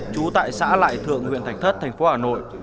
trú tại xã lại thượng huyện thạch thất tp hà nội